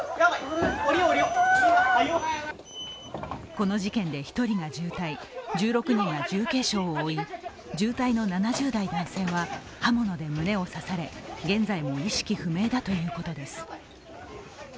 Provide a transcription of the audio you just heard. この事件で１人が重体、１６人が重軽傷を負い重体の７０代の男性は刃物で胸を刺され現在も意識不明だということです。